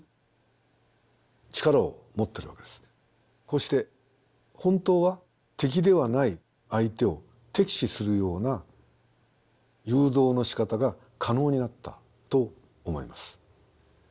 こうして本当は敵ではない相手を敵視するような誘導のしかたが可能になったと思います。